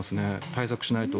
対策しないと。